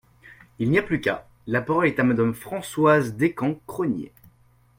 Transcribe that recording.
Il n’y a plus qu’à ! La parole est à Madame Françoise Descamps-Crosnier.